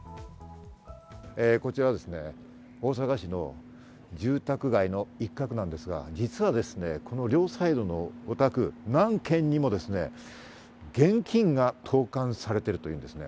こちらはですね、大阪市の住宅街の一角なんですが、実はこの両サイドのお宅、何軒にもですね、現金が投函されているというんですね。